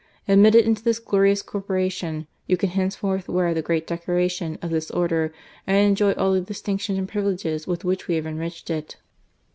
Admitted into this glorious corporation, you can henceforth wear the great decoration of this THE STATESMAN BISHOP. 283 order and enjoy all the distinctions and privileges with which we have enriched it."